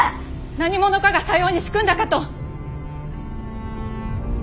何者かがさように仕組んだかと。